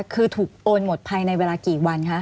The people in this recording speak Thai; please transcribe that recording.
คือถูกโอนหมดภายในเวลากี่วันคะ